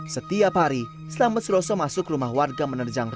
setiap hari selamat suroso masuk rumah warga menerjang tanah